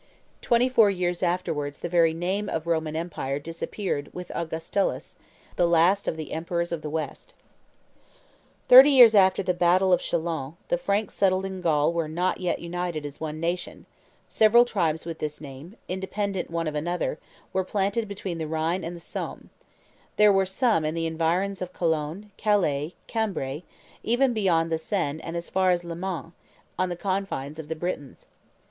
Twenty four years afterwards the very name of Roman empire disappeared with Augustulus, the last of the emperors of the West. [Illustration: The Huns at the Battle of Chalons 135] Thirty years after the battle of Chalons, the Franks settled in Gaul were not yet united as one nation; several tribes with this name, independent one of another, were planted between the Rhine and the Somme; there were some in the environs of Cologne, Calais, Cambrai, even beyond the Seine and as far as Le Mans, on the confines of the Britons.